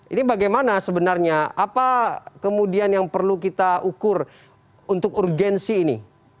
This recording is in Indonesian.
ini bagaimana sebenarnya apa kemudian yang perlu kita ukur untuk urgensi ini